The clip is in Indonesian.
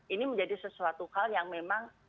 ini menjadi sesuatu hal yang memang